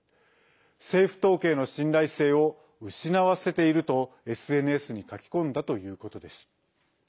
政府統計の信頼性を失わせているとＳＮＳに書き込んだということです。